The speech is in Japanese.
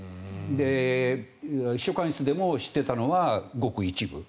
秘書官室でも知っていたのはごく一部。